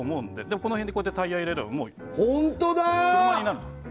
この辺にタイヤを入れればもう車になるんですよ。